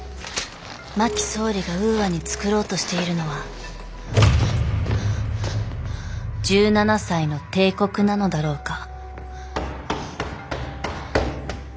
真木総理がウーアに創ろうとしているのは１７才の帝国なのだろうか。